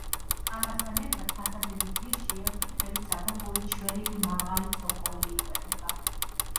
ამასთან ერთად ფასადების ძირში ერთი თხელი საფეხურით შვერილი მაღალი ცოკოლი იკვეთება.